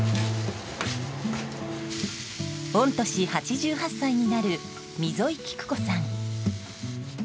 御年８８歳になる溝井喜久子さん。